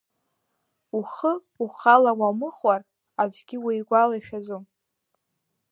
Ухы ухала уамыхәар аӡәгьы уигәалашәаӡом.